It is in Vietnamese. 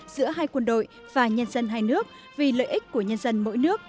giữa hai quân đội và nhân dân hai nước vì lợi ích của nhân dân mỗi nước